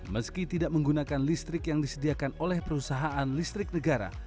meski tidak menggunakan listrik yang disediakan oleh perusahaan listrik negara